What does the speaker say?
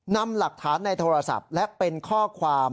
นำหลักฐานในโทรศัพท์และเป็นข้อความ